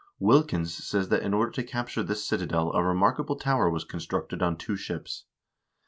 Wilkens says that in order to capture this citadel a remarkable tower was constructed on two ships.